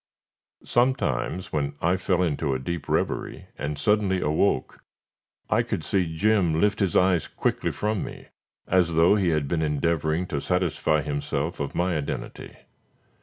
Sometimes when I fell into a deep reverie, and suddenly awoke, I could see Jim lift his eyes quickly from me, as though he had been endeavoring to satisfy himself of my identity.